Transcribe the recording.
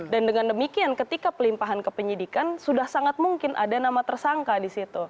dan dengan demikian ketika pelimpahan ke penyidikan sudah sangat mungkin ada nama tersangka di situ